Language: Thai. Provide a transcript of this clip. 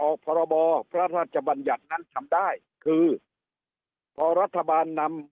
พรบพระราชบัญญัตินั้นทำได้คือพอรัฐบาลนำ